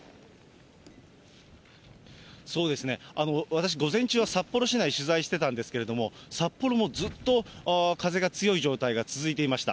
そうですね、私、午前中は札幌市内取材してたんですが、札幌もずっと風が強い状態が続いていました。